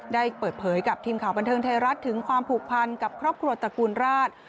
ได้เปิดเผยกับทีมข่าวบันเทิงไทยรัฐถึงความผูกพันกับครอบครัวตระกูลราช